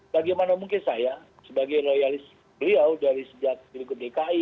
bagaimana mungkin saya sebagai loyalis beliau dari sejak pilgub dki